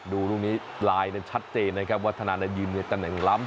ดูลูกนี้ลายชัดเจนนะครับวัฒนานายืมในตะแหน่งล้ำ